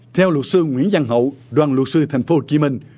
theo luật sư nguyễn giang hậu đoàn luật sư thành phố hồ chí minh